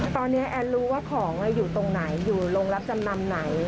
ตอนนี้แอนรู้ว่าของอยู่ตรงไหนอยู่โรงรับจำนำไหน